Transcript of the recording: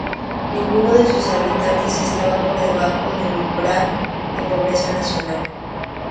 Ninguno de sus habitantes estaba por debajo del umbral de pobreza nacional.